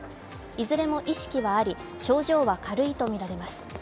いずれも意識はあり、症状は軽いとみられます。